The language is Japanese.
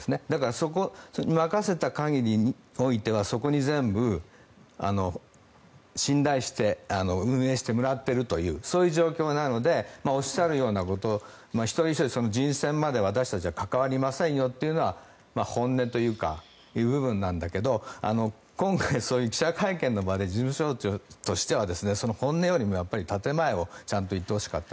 そこに任せた限りにおいてはそこに全部信頼して運営してもらっているというそういう状況なのでおっしゃるようなこと一人ひとり人選まで、私たちは関わりませんよというのは本音という部分なんだけど今回、そういう記者会見の場で事務総長としてはその本音よりも建て前をちゃんと言ってほしかった。